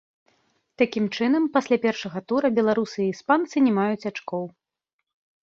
Такім чынам, пасля першага тура беларусы і іспанцы не маюць ачкоў.